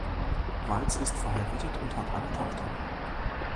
Walz ist verheiratet und hat eine Tochter.